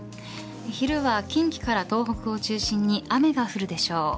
昼は近畿から東北を中心に雨が降るでしょう。